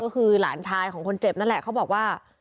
ก็คือหลานชายของคนเจ็บนั่นแหละเขาบอกว่า